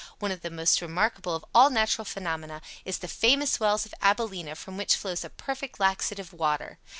One of the most remarkable of all natural phenomena is the FAMOUS WELLS OF ABILENA from which flows a perfect laxative water.